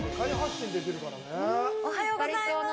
おはようございます！